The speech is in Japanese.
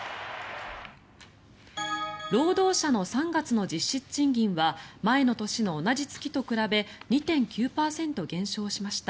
労働者の３月の実質賃金は前の年の同じ月と比べ２．９％減少しました。